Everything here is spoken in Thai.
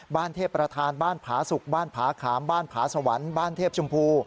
เทพประธานบ้านผาสุกบ้านผาขามบ้านผาสวรรค์บ้านเทพชมพู